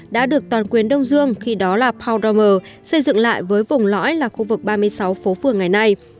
đã được toàn quyền đông dương khi đó là powromer xây dựng lại với vùng lõi là khu vực ba mươi sáu phố phường ngày nay